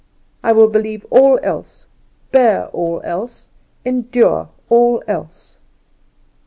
I will believe all else, bear all else, endure all else!"